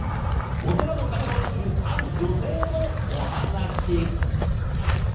お寺の鐘を作るある女性のお話。